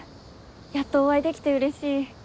やっとお会いできてうれしい。